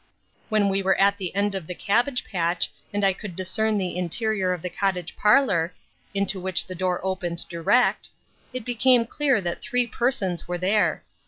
When we were at the end of the cabbage patch, and I could discern the interior of the cottage parlour (into which the door opened direct), it became clear that three persons were there.